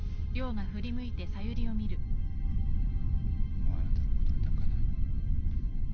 もうあなたのことは抱かない。